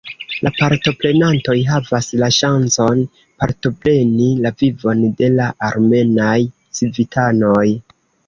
La partoprenantoj havas la ŝancon partopreni la vivon de la armenaj civitanoj.